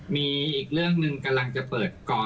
มีอีกเรื่องหนึ่งกำลังจะเปิดกอง